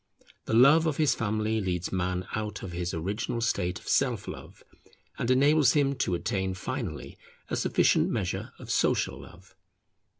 The love of his family leads Man out of his original state of Self love and enables him to attain finally a sufficient measure of Social love.